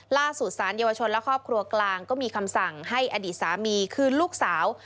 สารเยาวชนและครอบครัวกลางก็มีคำสั่งให้อดีตสามีคืนลูกสาว